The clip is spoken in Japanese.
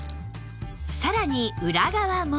さらに裏側も